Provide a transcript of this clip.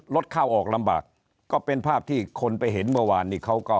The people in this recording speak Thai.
รถเข้าออกลำบากก็เป็นภาพที่คนไปเห็นเมื่อวานนี้เขาก็